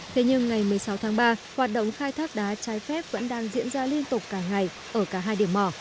thế nhưng ngày một mươi sáu tháng ba hoạt động khai thác đá trái phép vẫn đang diễn ra liên tục cả ngày ở cả hai điểm mỏ